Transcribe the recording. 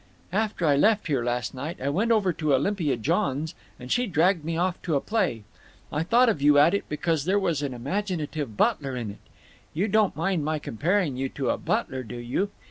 "After I left here last night I went over to Olympia Johns', and she dragged me off to a play. I thought of you at it because there was an imaginative butler in it. You don't mind my comparing you to a butler, do you?